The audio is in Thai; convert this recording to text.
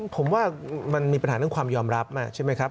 ผมว่ามันมีปัญหาเรื่องความยอมรับใช่ไหมครับ